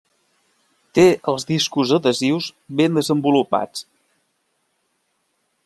Té els discos adhesius ben desenvolupats.